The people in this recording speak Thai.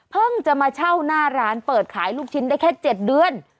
จะมาเช่าหน้าร้านเปิดขายลูกชิ้นได้แค่๗เดือน